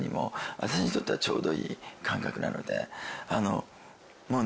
私にとってはちょうどいい感覚なので。